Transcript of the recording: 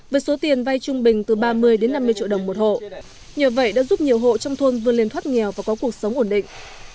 với số tiền vay trung bình từ ba mươi đến năm mươi triệu đồng một hộ nhờ vậy đã giúp nhiều hộ trong thôn vươn lên thoát nghèo và có cuộc sống ổn định